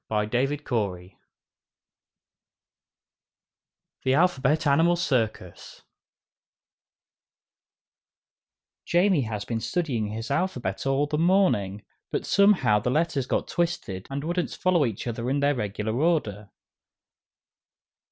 THE ALPHABET ANIMAL CIRCUS Jamie has been studying his alphabet all the morning, but somehow the letters got twisted and wouldn't follow each other in their regular order.